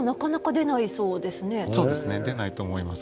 出ないと思います。